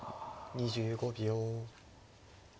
２５秒。